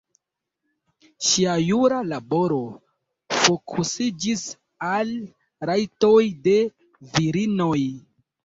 Ŝia jura laboro fokusiĝis al rajtoj de virinoj.